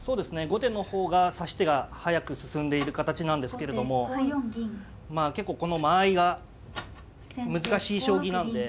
後手の方が指し手が速く進んでいる形なんですけれどもまあ結構この間合いが難しい将棋なので。